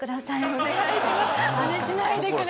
お願いします。